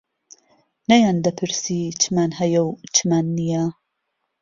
نەیان دەپرسی چمان هەیە و چمان نییە